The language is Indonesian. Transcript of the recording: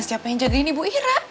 siapa yang jadiin ibu ira